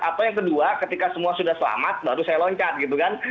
atau yang kedua ketika semua sudah selamat baru saya loncat gitu kan